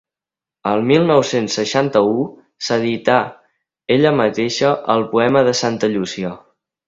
El mil nou-cents seixanta-u s'edita ella mateixa el Poema de Santa Llúcia.